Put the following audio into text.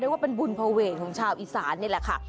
ว่าเป็นบุญภเวทของชาวอีสานนี่แหละค่ะ